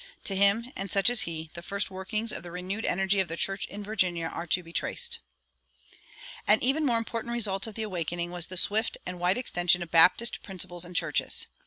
"To him, and such as he, the first workings of the renewed energy of the church in Virginia are to be traced."[173:2] An even more important result of the Awakening was the swift and wide extension of Baptist principles and churches.